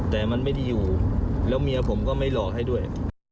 แต่มันไม่ได้อยู่แล้วเมียผมก็ไม่หลอกให้ด้วย